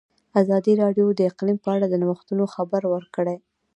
ازادي راډیو د اقلیم په اړه د نوښتونو خبر ورکړی.